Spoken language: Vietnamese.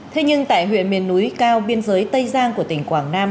thế nhưng tại huyện miền núi cao biên giới tây giang của tỉnh quảng nam